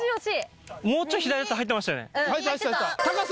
もうちょい左だったら入ってましたよね？